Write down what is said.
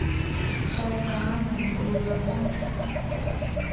Payqa mana llullakunchu.